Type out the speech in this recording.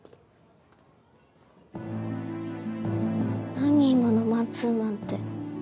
何今の「マンツーマン」って。